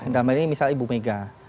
dalam hal ini misal ibumega